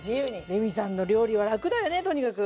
レミさんの料理は楽だよねとにかく。